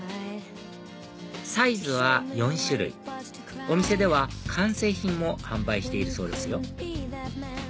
サイズは４種類お店では完成品も販売しているそうですよ